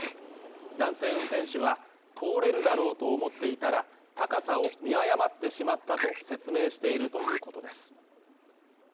男性運転手は通れるだろうと思っていたら、高さを見誤ってしまったと説明しているということです。